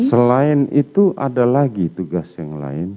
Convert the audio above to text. selain itu ada lagi tugas yang lain